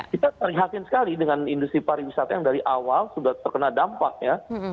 kita terhatiin sekali dengan industri pariwisata yang dari awal sudah terkena dampaknya